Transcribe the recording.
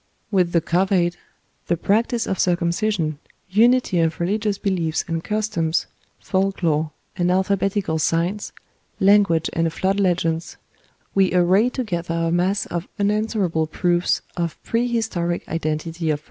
With the couvade, the practice of circumcision, unity of religious beliefs and customs, folk lore, and alphabetical signs, language and flood legends, we array together a mass of unanswerable proofs of prehistoric identity of race.